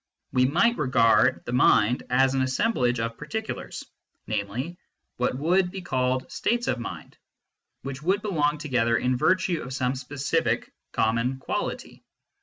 We might regard the mind as an assemblage of particulars, namely, what 132 MYSTICISM AND LOGIC would be called " states of mind," which would belong together in virtue of some specific common quality.